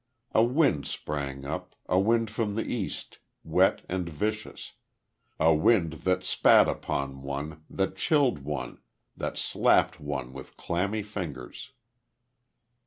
A wind sprang up, a wind from the East, wet and vicious, a wind that spat upon one, that chilled one, that slapped one with clammy fingers.